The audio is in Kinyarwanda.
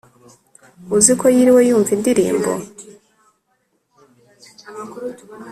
uziko yiriwe yumva indirimbo